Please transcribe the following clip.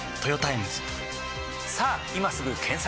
さぁ今すぐ検索！